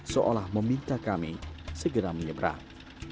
seolah meminta kami segera menyeberang